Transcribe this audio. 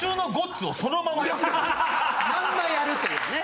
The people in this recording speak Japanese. まんまやるってことね？